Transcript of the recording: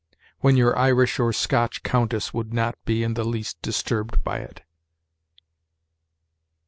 when your Irish or Scotch countess would not be in the least disturbed by it.